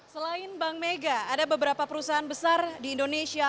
selain bank mega ada beberapa perusahaan besar di indonesia